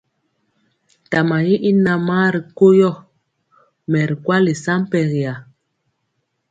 Tama yi i namaa ri ko yɔ, mɛ ri kwali sampɛriya.